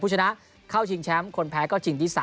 ชนะเข้าชิงแชมป์คนแพ้ก็ชิงที่๓